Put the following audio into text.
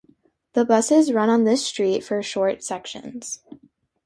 The buses run on this street for short sections.